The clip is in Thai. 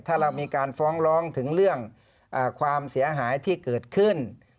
ถ้าเรามีการฟ้องร้องถึงเรื่องความเสียหายที่เกิดขึ้น